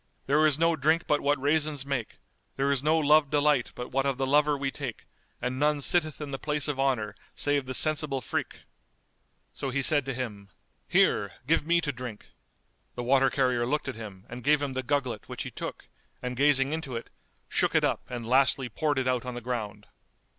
There is no drink but what raisins make, there is no love delight but what of the lover we take and none sitteth in the place of honour save the sensible freke[FN#216]!" So he said to him, "Here, give me to drink!" The water carrier looked at him and gave him the gugglet which he took and gazing into it, shook it up and lastly poured it out on the ground.